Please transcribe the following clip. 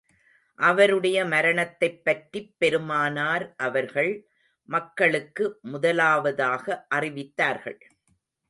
அவருடைய மரணத்தைப் பற்றிப் பெருமானார் அவர்கள் மக்களுக்கு முதலாவதாக அறிவித்தார்கள்.